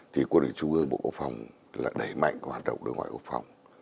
thì quân ủy trung ương bộ quốc phòng là đẩy mạnh hoạt động đối ngoại quốc phòng